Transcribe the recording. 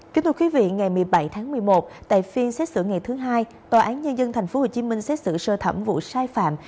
kính thưa quý vị ngày một mươi bảy tháng một mươi một tại phiên xét xử ngày thứ hai tòa án nhân dân tp hcm xét xử sơ thẩm vụ sai phạm